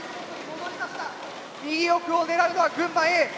右奥を狙うのは群馬Ａ。